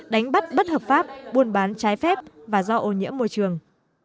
đánh bắt bất hợp pháp buôn bán trái phép và do ô nhiễm môi trường